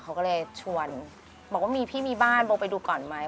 เขาก็เลยชวนบอกว่ามีพี่มีบ้านโบไปดูก่อนไหม